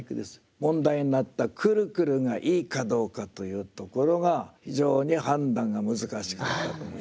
問題になった「くるくる」がいいかどうかというところが非常に判断が難しかったと思います。